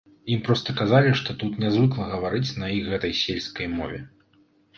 Ім проста казалі, што тут нязвыкла гаварыць на іх гэтай сельскай мове.